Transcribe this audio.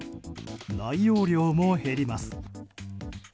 内容量も減ります。